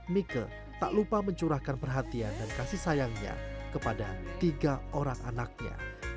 mika tak lupa mencurahkan perhatian dan kasih sayangnya kepada tiga orang anaknya